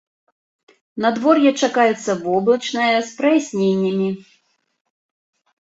Надвор'е чакаецца воблачнае з праясненнямі.